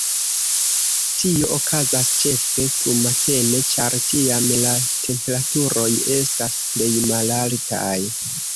Tio okazas ĉefe frumatene, ĉar tiam la temperaturoj estas plej malaltaj.